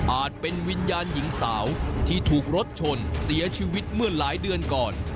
เป็นวิญญาณหญิงสาวที่ถูกรถชนเสียชีวิตเมื่อหลายเดือนก่อน